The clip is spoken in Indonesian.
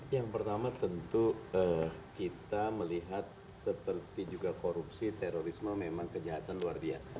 yang pertama tentu kita melihat seperti juga korupsi terorisme memang kejahatan luar biasa